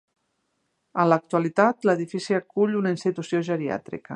En l'actualitat, l'edifici acull una institució geriàtrica.